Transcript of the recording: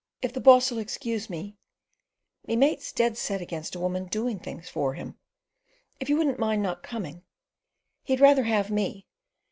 If the boss'll excuse me, me mate's dead set against a woman doing things for him. If you wouldn't mind not coming. He'd rather have me.